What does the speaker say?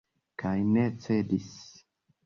Kaj ne cedis.